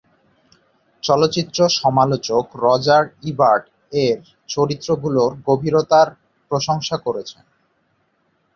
চলচ্চিত্র সমালোচক Roger Ebert এর চরিত্রগুলোর গভীরতার প্রশংসা করেছেন।